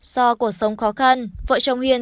do cuộc sống khó khăn vợ chồng hiền